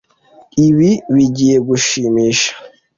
Ibi bigiye gushimisha